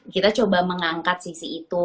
kita coba mengangkat sisi itu